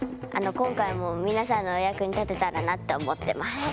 今回もみなさんのお役に立てたらなって思ってます。